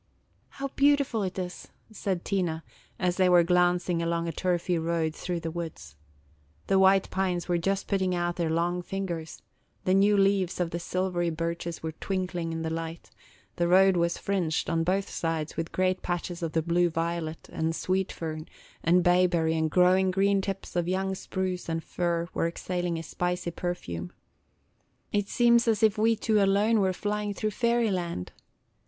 "How beautiful it is!" said Tina, as they were glancing along a turfy road through the woods. The white pines were just putting out their long fingers, the new leaves of the silvery birches were twinkling in the light, the road was fringed on both sides with great patches of the blue violet, and sweet fern, and bayberry and growing green tips of young spruce and fir were exhaling a spicy perfume. "It seems as if we two alone were flying through fairy land."